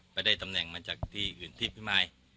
ไปได้ตำแหน่งมาจากที่อื่นที่พี่มาย